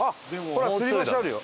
ほら吊り橋あるよ。